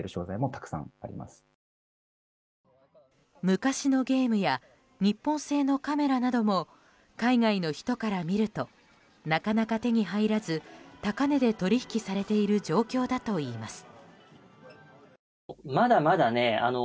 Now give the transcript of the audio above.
昔のゲームや日本製のカメラなども海外の人から見るとなかなか手に入らず高値で取引されている状況だといいます。